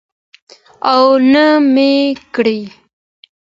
او نه مې کړى.